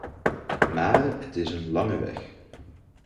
Maar het is een lange weg.